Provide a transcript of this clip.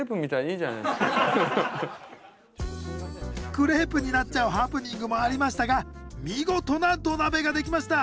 クレープになっちゃうハプニングもありましたが見事な土鍋が出来ました。